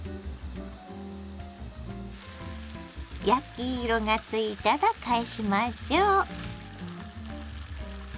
焼き色がついたら返しましょう。